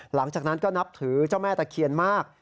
หลังจากนั้นก็นับถือเจ้าแม่ตะเคียนมาก